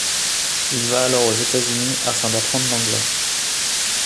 Il va alors aux États-Unis afin d'apprendre l'anglais.